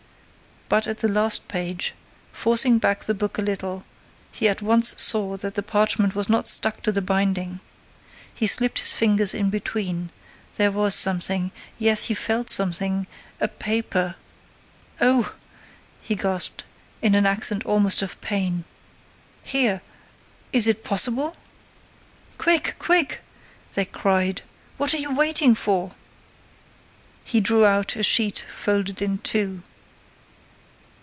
But, at the last page, forcing back the book a little, he at once saw that the parchment was not stuck to the binding. He slipped his fingers in between—there was something—yes, he felt something—a paper— "Oh!" he gasped, in an accent almost of pain. "Here—is it possible?" "Quick, quick!" they cried. "What are you waiting for?" He drew out a sheet folded in two.